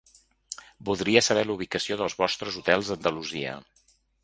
Voldria saber l'ubicació dels vostres hotels a Andalusia.